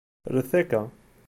Rret akka.